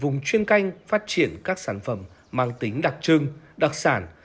vùng chuyên canh phát triển các sản phẩm mang tính đặc trưng đặc sản